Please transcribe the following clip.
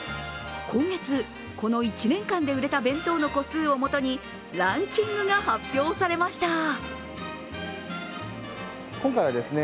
今月、この１年間で売れた弁当の個数をもとにランキングが発表されました。